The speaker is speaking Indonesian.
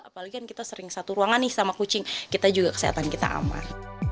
apalagi kan kita sering satu ruangan nih sama kucing kita juga kesehatan kita aman